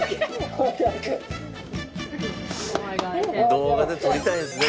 動画で撮りたいんですね